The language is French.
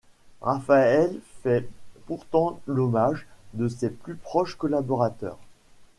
Raphaël fait pourtant l'hommage de ses plus proches collaborateurs.